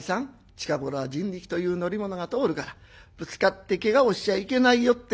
近頃は人力という乗り物が通るからぶつかってけがをしちゃいけないよ』って。